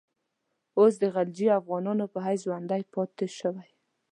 اوس د غلجي افغانانو په حیث ژوندی پاته شوی.